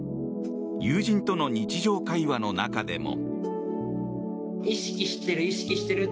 友達との日常会話の中でも。